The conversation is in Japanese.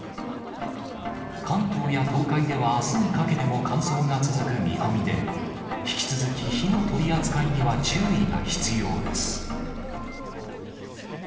関東や東海では、あすにかけても乾燥が続く見込みで、引き続き火の取り扱いには注意が必要です。